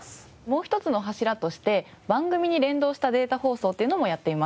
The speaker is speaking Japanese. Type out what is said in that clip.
もう一つの柱として番組に連動したデータ放送というのもやっています。